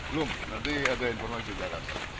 belum nanti ada informasi di dalam